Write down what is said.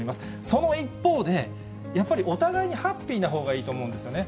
その一方で、やっぱりお互いにハッピーなほうがいいと思うんですよね。